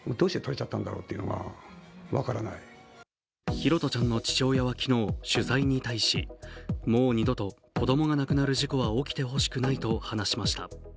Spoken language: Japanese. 拓杜ちゃんの父親は昨日取材に対しもう二度と子どもが亡くなる事故は起きてほしくないと話しました。